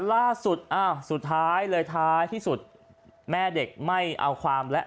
ล่าสุดอ้าวสุดท้ายเลยท้ายที่สุดแม่เด็กไม่เอาความแล้ว